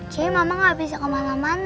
jadi mama gak bisa kemana mana